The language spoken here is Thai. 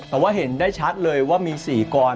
แต่ว่าเห็นได้ชัดเลยว่ามี๔กร